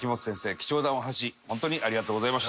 貴重なお話本当にありがとうございました。